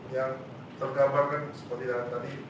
yang tergabarkan seperti tadi